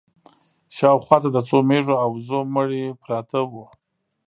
شا و خوا ته د څو مېږو او وزو مړي پراته وو.